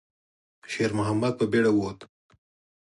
شېرمحمد په بیړه ووت.